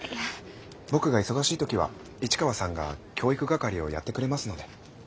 僕が忙しい時は市川さんが教育係をやってくれますので。